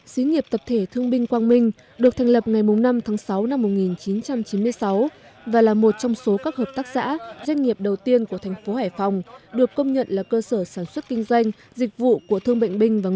xí nghiệp tập thể thương binh quang minh được thành lập ngày năm tháng sáu năm một nghìn chín trăm chín mươi sáu và là một trong số các hợp tác xã doanh nghiệp đầu tiên của thành phố hải phòng được công nhận là cơ sở sản xuất kinh doanh dịch vụ của thương bệnh binh và người